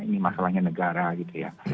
ini masalahnya negara gitu ya